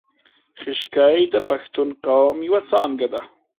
خیشکي د پښتون قوم یو څانګه ده